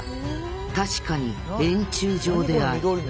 確かに円柱状である。